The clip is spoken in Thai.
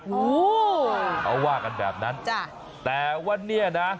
อูอ่อเขาว่ากันแบบนั้นแต่ว่านี่นะ